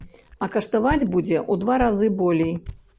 А каштаваць будзе ў два разы болей.